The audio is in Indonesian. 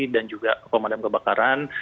dan juga pemadam kebakaran